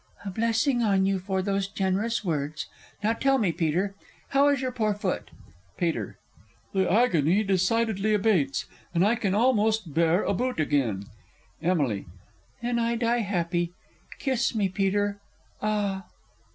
_ A blessing on you for those generous words! Now tell me, Peter, how is your poor foot? Peter. The agony decidedly abates, And I can almost bear a boot again. Emily. Then I die happy!... Kiss me, Peter ... ah!